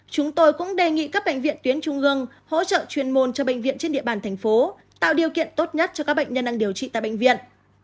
chúng tôi cũng đề nghị các bệnh viện tuyến trung ương hỗ trợ chuyên môn cho bệnh viện trên địa bàn thành phố tạo điều kiện tốt nhất cho các bệnh nhân đang điều trị tại bệnh viện